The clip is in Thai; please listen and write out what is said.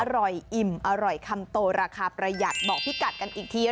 อิ่มอร่อยคำโตราคาประหยัดบอกพี่กัดกันอีกที